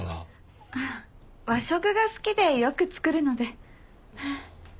和食が好きでよく作るので。